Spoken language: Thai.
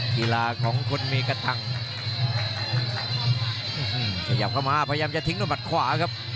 กีฬาของคนมีกระทังขยับเข้ามาพยายามจะทิ้งด้วยมัดขวาครับ